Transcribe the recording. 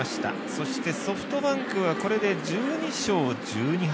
そして、ソフトバンクはこれで１２勝１２敗。